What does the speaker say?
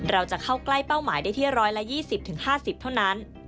เราจะเข้าใกล้เป้าหมายได้ที่๑๒๐๕๐เท่านั้น